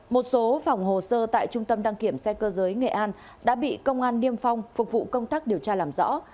một số phòng hồ sơ tại trung tâm đăng kiểm xe cơ giới nghệ an đã bị công an niêm phong phục vụ công tác điều tra làm rõ